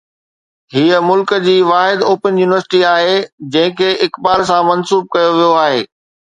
هيءَ ملڪ جي واحد اوپن يونيورسٽي آهي جنهن کي اقبال سان منسوب ڪيو ويو آهي.